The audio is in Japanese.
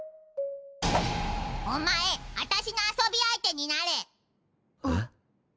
お前私の遊び相手になれえっ？